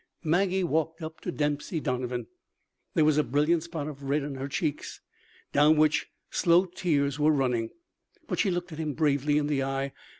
Maggie walked up to Dempsey Donovan. There was a brilliant spot of red in her cheeks, down which slow tears were running. But she looked him bravely in the eye.